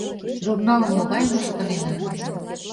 ЖУРНАЛЫМ МОГАЙЫМ ЫШТЫНЕНА?